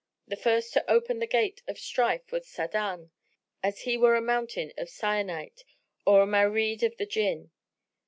The first to open the gate of strife was Sa'adan, as he were a mountain of syenite or a Marid of the Jinn.